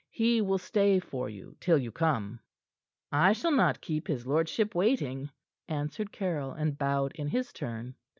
He will stay for you till you come." "I shall not keep his lordship waiting," answered Caryll, and bowed in his turn.